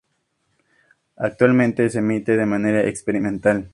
Actualmente se emite de manera experimental.